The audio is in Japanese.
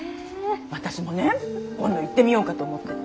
私もね今度行ってみようかと思ってて。